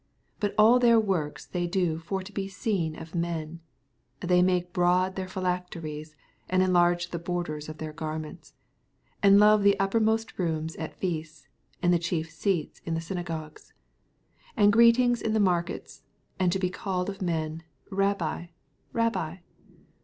5 Bat all their works thev do for to be seen of men : they make broad their phylacteries, and enlarge the b'irders of their garments, 6 And love the uppermost rooms at feasts, and the chief seats in the synagogues, 7 And greetings in the markets, and to be called of men, Babbi, Rabbi.